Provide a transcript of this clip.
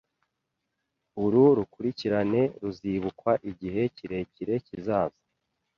Uru rukurikirane ruzibukwa igihe kirekire kizaza.